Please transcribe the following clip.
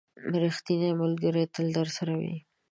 • ریښتینی ملګری تل درسره وي.